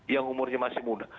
yang umurnya masih muda